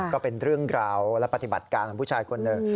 ก็เป็นเรื่องกล้าวและปฏิบัติการวันพุชายคนเดิม